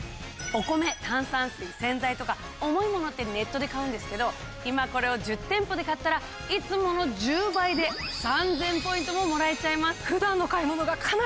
お米炭酸水洗剤とか重いものってネットで買うんですけど今これを１０店舗で買ったらいつもの１０倍で３，０００ポイントももらえちゃいます。